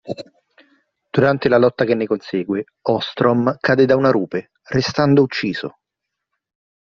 Durante la lotta che ne consegue, Ostrom cade da una rupe, restando ucciso.